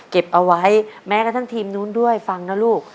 เก็บเอาไว้แม้กระทั่งทีมนู้นด้วยฟังนะลูก